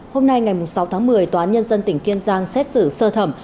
hôm nay ngày sáu tháng một mươi tòa án nhân dân tỉnh kiên giang xét xử sơ thẩm